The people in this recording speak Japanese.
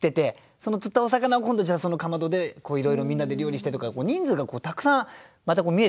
その釣ったお魚を今度じゃあその竈でいろいろみんなで料理してとか人数がたくさんまた見えてきますよね。